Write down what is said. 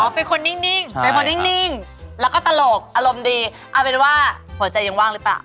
อ๋อเป็นคนนิ่งแล้วก็ตลกอารมณ์ดีเอาเป็นว่าหัวใจยังว่างหรือปะ